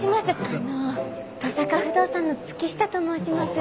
あの登坂不動産の月下と申します。